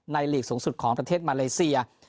หลีกสูงสุดของประเทศมาเลเซีย